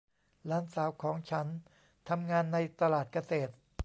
หลานสาวของฉันทำงานในตลาดเกษตร